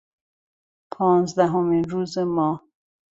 پانزدهمین روز ماه